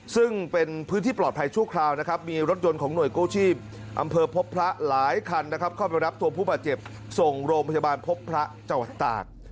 ซึ่งเป็นพื้นที่ปลอดภัยชั่วคราวนะครับมีรถยนต์ของหน่วยกู้ชีพอำเภอพบพระหลายคันนะครับเข้าไปรับตัวผู้บาดเจ็บส่งโรงพยาบาลพบพระจังหวัดตาก